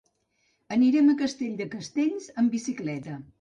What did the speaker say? Anirem a Castell de Castells amb bicicleta.